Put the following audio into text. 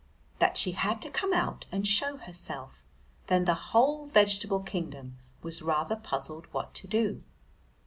that she had to come out and show herself. Then the whole vegetable kingdom was rather puzzled what to do.